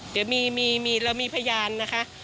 เดี๋ยวมีเรามีพยานนะคะ